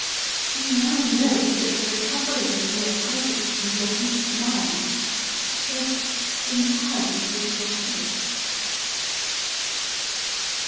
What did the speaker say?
You now know that the recovery of your credit and your peace of mind rests entirely with yourself."